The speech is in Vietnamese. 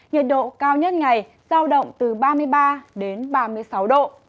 nhiệt độ cao nhất ngày giao động từ ba mươi ba đến ba mươi sáu độ